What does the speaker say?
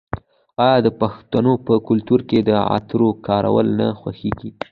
آیا د پښتنو په کلتور کې د عطرو کارول نه خوښیږي؟